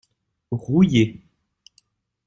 Rouillé.